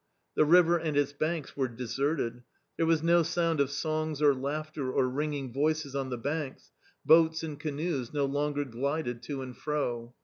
The river and its banks were deserted ; there was no sound of songs or laughter or ringing voices on the banks; boats and canoes no longer glided to and fro.